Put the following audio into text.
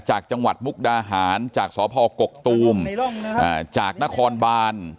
จากจังหวัดมุกดาหารจากสพกกตูมจากนครบาน